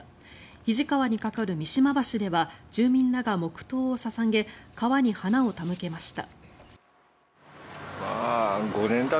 肱川に架かる三島橋では住民らが黙祷を捧げ川に花を手向けました。